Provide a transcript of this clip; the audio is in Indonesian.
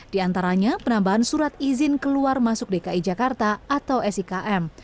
di antaranya penambahan surat izin keluar masuk dki jakarta atau sikm